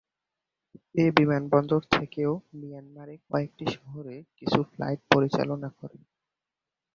এ বিমানবন্দর থেকেও মিয়ানমারের কয়েকটি শহরে কিছু ফ্লাইট পরিচালনা করে।